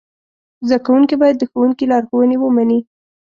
زده کوونکي باید د ښوونکي لارښوونې ومني.